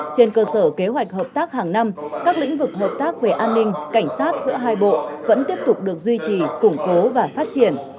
trên cơ sở kế hoạch hợp tác hàng năm các lĩnh vực hợp tác về an ninh cảnh sát giữa hai bộ vẫn tiếp tục được duy trì củng cố và phát triển